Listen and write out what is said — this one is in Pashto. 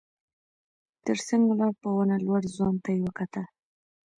تر څنګ ولاړ په ونه لوړ ځوان ته يې وکتل.